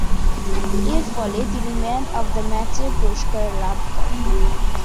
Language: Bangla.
এরফলে তিনি ম্যান অব দ্য ম্যাচের পুরস্কার লাভ করেন।